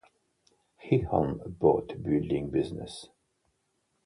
He owned a boat building business.